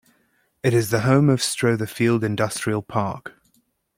It is the home of Strother Field Industrial Park.